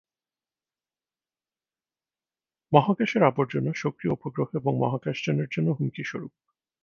মহাকাশের আবর্জনা সক্রিয় উপগ্রহ এবং মহাকাশযানের জন্য হুমকিস্বরূপ।